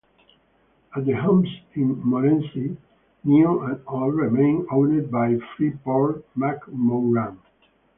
All the homes in Morenci, new and old, remain owned by Freeport-McMoRan.